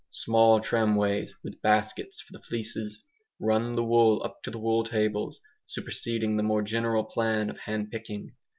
Small tramways, with baskets for the fleeces, run the wool up to the wool tables, superseding the more general plan of hand picking.